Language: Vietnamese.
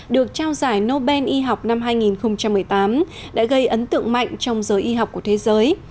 được trao giải nobel y học năm hai nghìn một mươi tám đã gây ấn tượng mạnh trong giới y học của thế giới